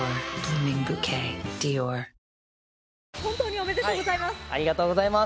おめでとうございます。